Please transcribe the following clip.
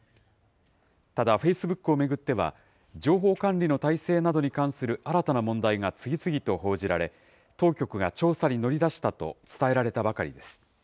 ただフェイスブックを巡っては、情報管理の体制などに関する新たな問題が次々と報じられ、当局が調査に乗り出したと伝えられたばかりです。